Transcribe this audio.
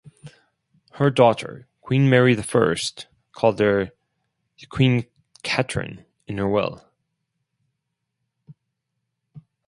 Her daughter Queen Mary the First called her "Quene Kateryn", in her will.